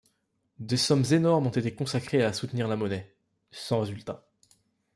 Des sommes énormes ont été consacrées à soutenir la monnaie... sans résultat.